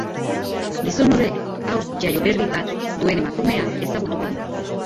Gizon horrek haur jaioberri bat duen emakumea ezagutuko du.